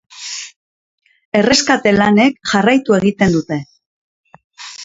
Erreskate lanek jarraitu egiten dute.